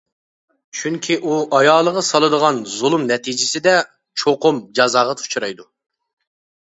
چۈنكى ئۇ ئايالىغا سالىدىغان زۇلۇم نەتىجىسىدە چوقۇم جازاغا ئۇچرايدۇ.